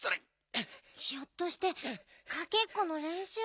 ひょっとしてかけっこのれんしゅう？